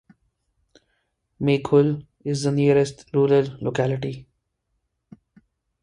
Mezhgyul is the nearest rural locality.